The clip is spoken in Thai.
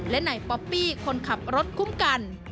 และนายป๊อปปี้คนขับรถคุ้มกัน